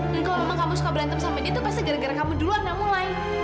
dan kalau memang kamu suka berantem sama dia tuh pasti gara gara kamu dulu arna mulai